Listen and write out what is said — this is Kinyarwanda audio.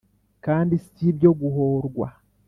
kandi si ibyo guhorwa,